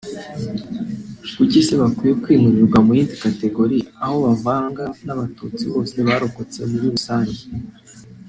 kuki se bakwiye kwimurirwa muyindi categorie aho kubavanga n’abatutsi bose barokotse muri rusange